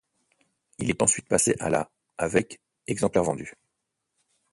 Il est ensuite passé à la avec exemplaires vendus.